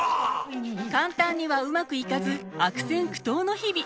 簡単にはうまくいかず悪戦苦闘の日々。